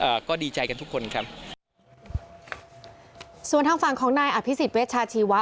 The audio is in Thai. อ่าก็ดีใจกันทุกคนครับส่วนทางฝั่งของนายอภิษฎเวชาชีวะ